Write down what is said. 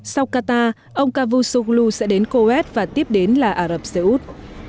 sau qatar ông cavusoglu sẽ đến coet và tiếp đến là ả rập xê út